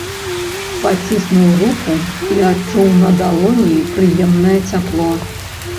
Паціснуў руку і адчуў на далоні прыемнае цяпло.